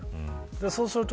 そうすると。